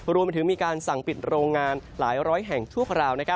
รวมไปถึงมีการสั่งปิดโรงงานหลายร้อยแห่งชั่วคราว